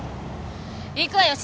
行くわよ